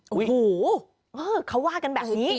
โอ้โหเขาว่ากันแบบนี้